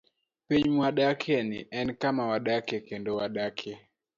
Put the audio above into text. Piny mwadakieni en kama wadakie kendo wadakie.